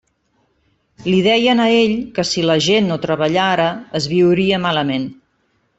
Li deien a ell que si la gent no treballara, es viuria malament.